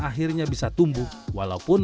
akhirnya bisa tumbuh walaupun